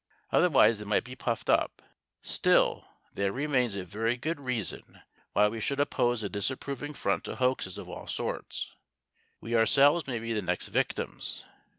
Otherwise they might become puffed up. Still, there remains a very good reason why we should oppose a disapproving front to hoaxes of all sorts. We ourselves may be the next victims.